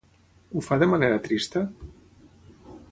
Ho fa de manera trista?